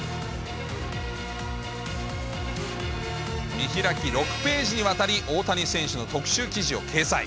見開き６ページにわたり、大谷選手の特集記事を掲載。